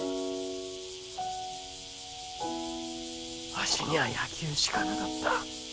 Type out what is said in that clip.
わしにゃあ野球しかなかった。